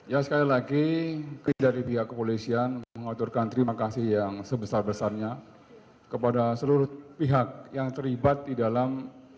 ya sekali lagi mungkin dari pihak kepolisian mengaturkan terima kasih yang sebesar besarnya kepada seluruh pihak yang terlibat di dalam